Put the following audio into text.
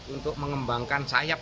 untuk mengembangkan sayap